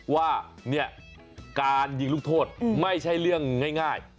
ว่าเนี่ยการยิงลูกโทษไม่ใช่เรื่องง่าย